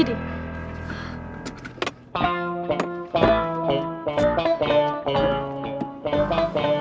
lu kenal apa ya tadi